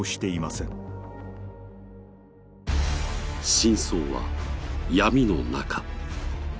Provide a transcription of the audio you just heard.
真相は闇の中。